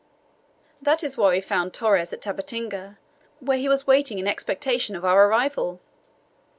That is why we found Torres at Tabatinga, where he was waiting in expectation of our arrival."